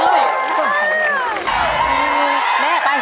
ไปเลยนะ